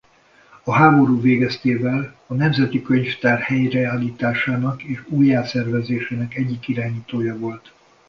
A háború végeztével a nemzeti könyvtár helyreállításának és újjászervezésének egyik irányítója volt.